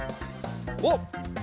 おっ！